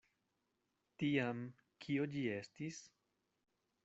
Tiam kio ĝi estis?